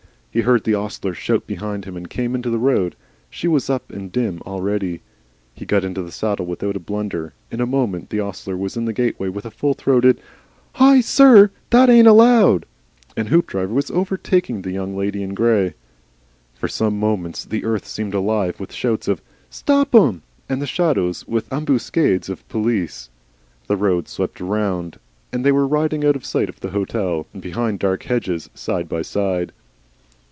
He heard the ostler shout behind him, and came into the road. She was up and dim already. He got into the saddle without a blunder. In a moment the ostler was in the gateway with a full throated "HI! sir! That ain't allowed;" and Hoopdriver was overtaking the Young Lady in Grey. For some moments the earth seemed alive with shouts of, "Stop 'em!" and the shadows with ambuscades of police. The road swept round, and they were riding out of sight of the hotel, and behind dark hedges, side by side.